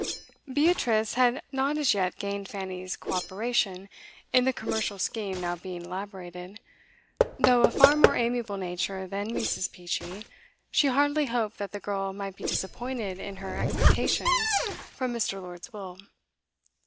Beatrice had not as yet gained Fanny's co operation in the commercial scheme now being elaborated; though of far more amiable nature than Mrs. Peachey, she heartily hoped that the girl might be disappointed in her expectations from Mr. Lord's will.